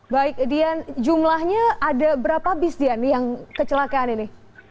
baik dian jumlahnya ada berapa bis dian yang kecelakaan ini